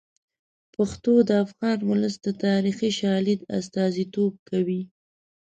پښتو د افغان ولس د تاریخي شالید استازیتوب کوي.